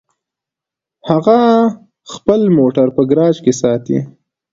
هغه خپل موټر په ګراج کې ساتي